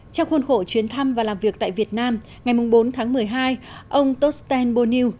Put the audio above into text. trong khuôn khổ chuyến thăm và làm việc tại việt nam ngày bốn tháng một mươi hai ông tostan boniu